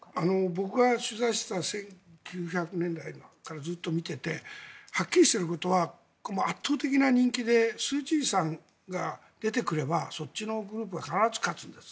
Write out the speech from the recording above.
僕が取材していた１９９０年代から見ていてはっきりしていることは圧倒的な人気でスーチーさんが出てくればそっちのグループが必ず勝つんです。